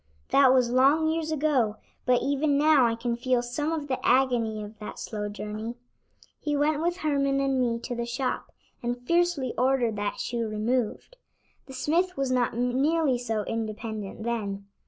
That was long years ago, but even now I can feel some of the agony of that slow journey. He went with Herman and me to the shop, and fiercely ordered that shoe removed. The smith was not nearly so independent then.